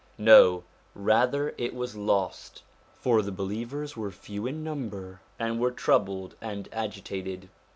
No, rather it was lost; for the believers were few in number and were troubled and agitated.